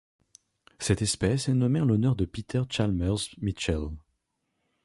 Cette espèce est nommée en l'honneur de Peter Chalmers Mitchell.